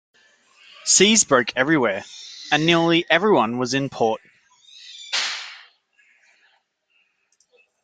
Seas broke everywhere, and nearly everyone was in port.